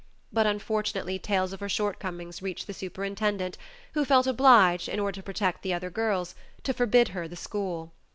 But unfortunately tales of her shortcomings reached the superintendent who felt obliged, in order to protect the other girls, to forbid her the school.